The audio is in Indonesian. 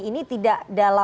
itu tidak bergantung dengan